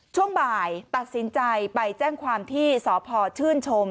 ช่วงบ่ายตัดสินใจไปแจ้งความที่สพชื่นชม